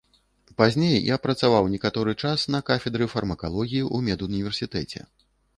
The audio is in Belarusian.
Пазней я працаваў некаторы час на кафедры фармакалогіі ў медуніверсітэце.